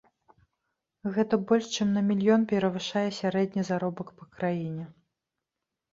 Гэта больш чым на мільён перавышае сярэдні заробак па краіне!